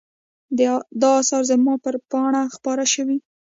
دا آثار زما پر پاڼه خپاره شوي.